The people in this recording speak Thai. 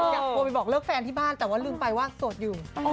อยากโทรไปบอกเลิกแฟนที่บ้านแต่ว่าลืมไปว่าโสดอยู่